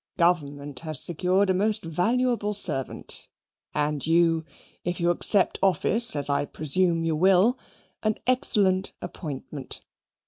Government has secured a most valuable servant, and you, if you accept office, as I presume you will, an excellent appointment.